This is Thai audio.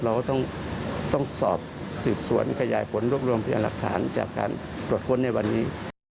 เราก็ต้องสอบสืบสวนขยายผลรวบรวมพยานหลักฐานจากการตรวจค้นในวันนี้